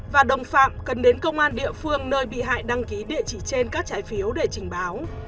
và đồng phạm cần đến công an địa phương nơi bị hại đăng ký địa chỉ trên các trái phiếu để trình báo